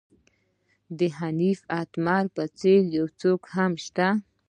د حنیف اتمر په څېر یو څوک هم شته.